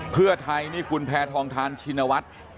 เพื่อไทยนี่คุณแพทองทานชินวัฒน์